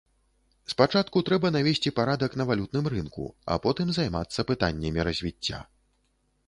Спачатку трэба навесці парадак на валютным рынку, а потым займацца пытаннямі развіцця.